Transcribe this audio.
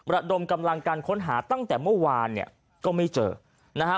ระดมกำลังการค้นหาตั้งแต่เมื่อวานเนี่ยก็ไม่เจอนะฮะ